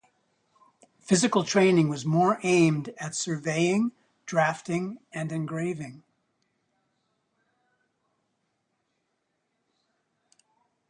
Physical training was more aimed at surveying, drafting and engraving.